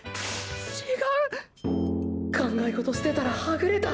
違う⁉考えごとしてたらはぐれた！！